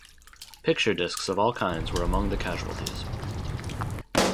Picture discs of all kinds were among the casualties.